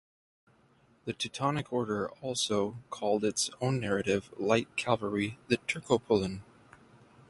The Teutonic Order also called its own native light cavalry the "Turkopolen".